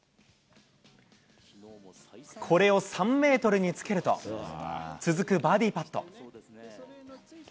これを３メートルにつけると、続くバーディーパット。